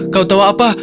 kau tahu apa